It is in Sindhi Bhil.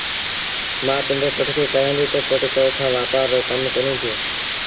مآ پنڊري پُٽ کي ڪهيآݩديٚ تا پُٽ تو کآݩ وآپآر رو ڪم ڪونهيٚ ٿئي